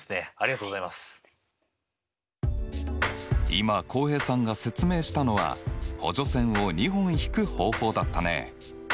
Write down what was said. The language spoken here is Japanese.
今浩平さんが説明したのは補助線を２本引く方法だったね。